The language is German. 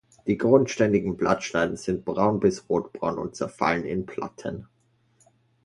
Die grundständigen Blattscheiden sind braun bis rotbraun und zerfallen in Platten.